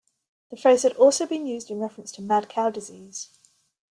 The phrase has also been used in reference to mad cow disease.